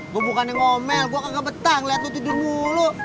gue bukannya ngomel gue kegebetan liat lu tidur mulu